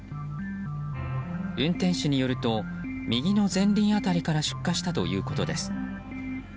運転手によると右の前輪辺りから出火したということです。